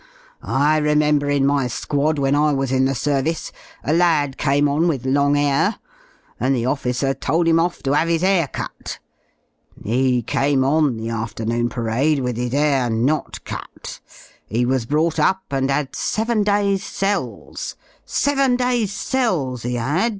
I remember m my squad when I was m the service y a lad came on with long 'air, and the officer told 'im off to 'ave 'is 'air cut; 'e came on the after noon parade with 'is 'air not cut; 'e was brought up and 'ad seven days' cells; seven days' cells 'e 'ad.